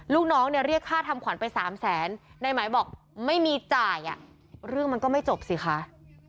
ลูกน้องเนี่ยเรียกค่าทำขวัญไป๓แสนนายไหมบอกไม่มีจ่ายเรื่องมันก็ไม่จบสิคะ